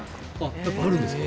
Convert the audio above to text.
やっぱあるんですか？